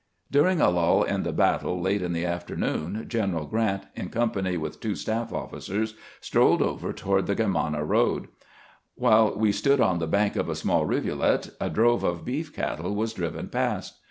During a lull in the battle late in the afternoon, Gen THE GENERAL IN CHIEF AS AID TO A DEOVER 67 eral Grant, in company with two staff officers, strolled over toward the Grermanna road. While we stood on the bank of a small rivulet, a drove of beef cattle was driven past.